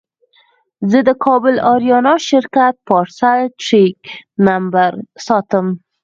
زه د کابل اریانا شرکت پارسل ټرېک نمبر ساتم.